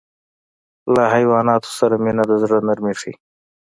له حیواناتو سره مینه د زړه نرمي ښيي.